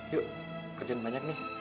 yuk kerjaan banyak nih